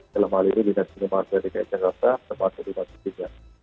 dalam hal ini di dki jakarta termasuk di pancitiga